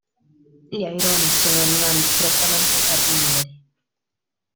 Gli aironi sono animali strettamente carnivori.